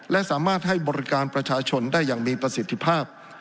และสามารถให้บริการประชาชนได้อย่างมีประสิทธิภาพ